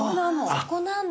そこなんだ！